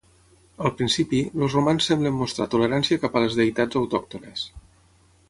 Al principi, els romans semblen mostrar tolerància cap a les deïtats autòctones.